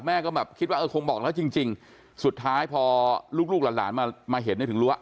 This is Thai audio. แม่ก็แบบคิดว่าเออคงบอกแล้วจริงจริงสุดท้ายพอลูกลูกหลานหลานมามาเห็นได้ถึงรู้ว่า